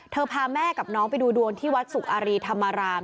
พาแม่กับน้องไปดูดวงที่วัดสุกอารีธรรมราม